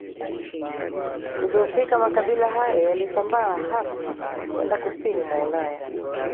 Kudhoofika makabila hayo yalisambaa hasa kwenda kusini mwa Ulaya